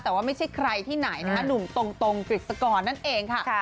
แต่ว่าไม่ใช่ใครที่ไหนนะคะหนุ่มตรงกฤษกรนั่นเองค่ะ